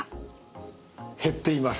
減っています。